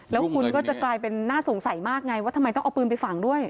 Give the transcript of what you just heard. แล้วคุณก็จะกลายเป็นน่าสงสัยมากไงว่าทำไมต้องเอาปืนไปฝังด้วย